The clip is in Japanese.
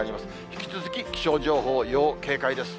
引き続き、気象情報、要警戒です。